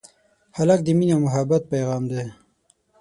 هلک د مینې او محبت پېغام دی.